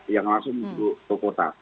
yang langsung menuju ke kota